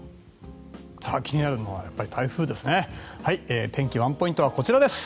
気になるのは台風ですね。